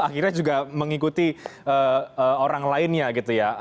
akhirnya juga mengikuti orang lainnya gitu ya